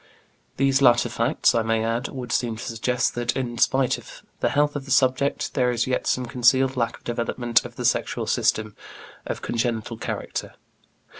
These latter facts, I may add, would seem to suggest that, in spite of the health of the subject, there is yet some concealed lack of development of the sexual system, of congenital character.